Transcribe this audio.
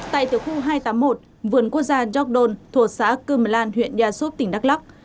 tại từ khu hai trăm tám mươi một vườn quốc gia jordan thuộc xã cơm lan huyện e soup tỉnh đắk lắc